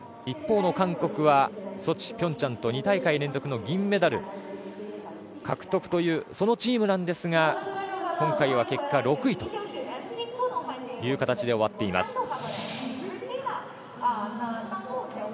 一方の韓国はソチ、平昌と２大会連続の銀メダル獲得というチームですが今回は結果６位という形で終わっています。